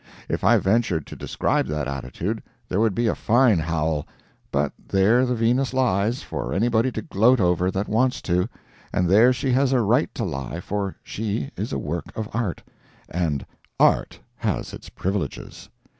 If I ventured to describe that attitude, there would be a fine howl but there the Venus lies, for anybody to gloat over that wants to and there she has a right to lie, for she is a work of art, and Art has its privileges.